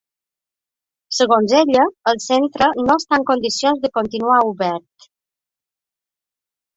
Segons ella, el centre no està en condicions de continuar obert.